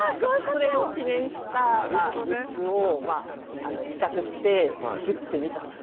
それを記念したグッズを企画して作ってみたと。